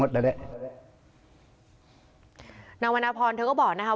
วิทยาลัยศาสตรี